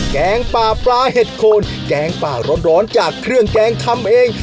งปลาปลาเห็ดโคนแกงป่าร้อนจากเครื่องแกงทำเอง